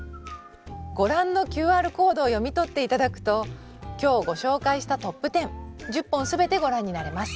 ご覧のＱＲコードを読み取って頂くと今日ご紹介したトップ１０１０本全てご覧になれます。